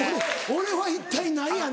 俺は一体何や？